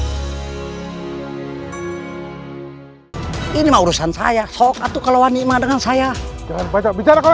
hai ini urusan saya sobat tuh kalau wani emang dengan saya jangan banyak bicara kalau